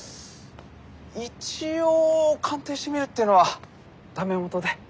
一応鑑定してみるっていうのはダメもとで。